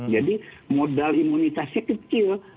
jadi modal imunitasnya kecil